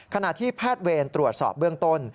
ขณะที่แพทย์เวรตรวจสอบเบื้องต้น